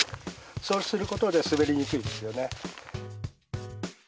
そうすることで滑りにくいですよね。